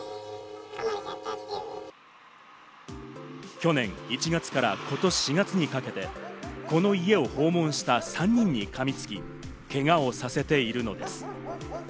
去年１月から今年４月にかけて、この家を訪問した３人にかみつき、けがをさせているのです。